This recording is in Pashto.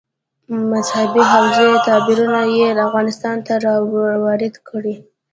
مذهبي حوزې تعبیرونه یې افغانستان ته راوارد کړي.